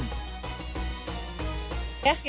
kita bisa beli besek bambu